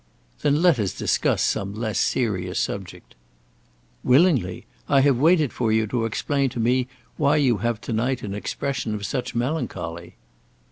"Then let us discuss some less serious subject." "Willingly. I have waited for you to explain to me why you have to night an expression of such melancholy."